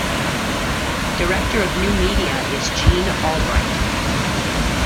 Director of New Media is Jean Albright.